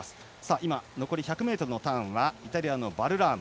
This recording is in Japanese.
今、残り１００ｍのターンはイタリアのバルラーム。